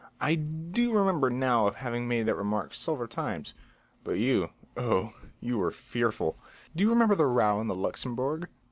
"I do remember now of having made that remark several times. But you oh, you were fearful. Do you remember the row in the Luxembourg?